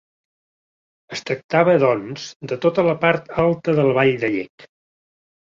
Es tractava, doncs, de tota la part alta de la vall de Llec.